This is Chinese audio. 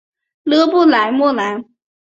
勒布莱莫兰。